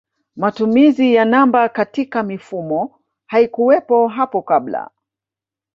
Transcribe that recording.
Matumizi ya namba katika mifumo haikuwepo hapo kabla